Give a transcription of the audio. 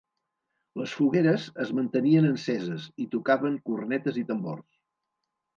Les fogueres es mantenien enceses, i tocaven cornetes i tambors.